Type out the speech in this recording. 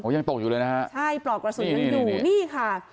อ๋อยังปลอกอยู่เลยนะครับใช่ปลอกกระสุนยังอยู่นี่ค่ะ